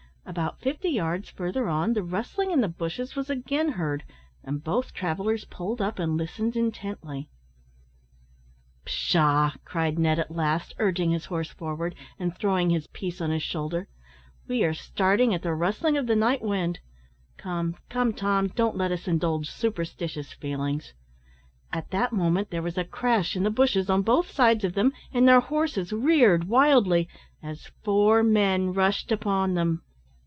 About fifty yards further on, the rustling in the bushes was again heard, and both travellers pulled up and listened intently. "Pshaw!" cried Ned, at last, urging his horse forward, and throwing his piece on his shoulder, "we are starting at the rustling of the night wind; come, come, Tom, don't let us indulge superstitious feelings " At that moment there was a crash in the bushes on both sides of them, and their horses reared wildly, as four men rushed upon them.